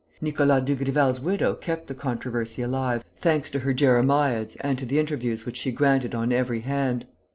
Nicolas Dugrival's widow kept the controversy alive, thanks to her jeremiads and to the interviews which she granted on every hand.